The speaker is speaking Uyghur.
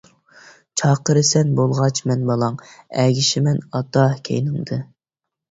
چاقىرىسەن بولغاچ مەن بالاڭ، ئەگىشىمەن ئاتا كەينىڭدە.